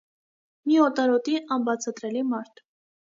մի օտարոտի, անբացատրելի մարդ: